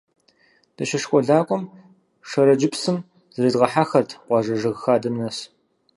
Дыщышколакӏуэм Шэрэджыпсым зредгъэхьэхырт къуажэ жыгхадэм нэс.